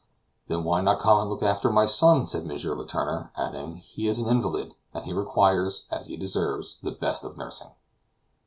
"Then why not come and look after my son?" said M. Letourneur, adding, "he is an invalid, and he requires, as he deserves, the best of nursing."